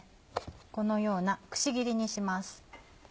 このようなくし切りにします。